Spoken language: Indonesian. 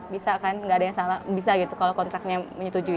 bisa kan nggak ada yang salah bisa gitu kalau kontraknya menyetujui